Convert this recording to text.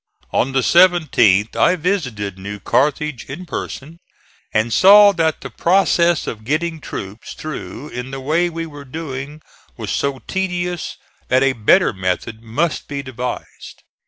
On the 17th I visited New Carthage in person, and saw that the process of getting troops through in the way we were doing was so tedious that a better method must be devised.